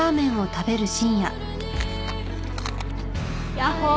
ヤッホー！